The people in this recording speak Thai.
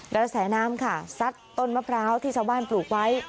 กระแสน้ำค่ะซัดต้นมะพร้าวที่ชาวบ้านปลูกไว้